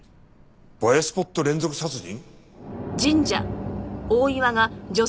映えスポット連続殺人！？